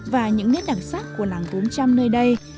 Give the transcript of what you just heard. và những nét đặc sắc của làng bốn trăm linh nơi đây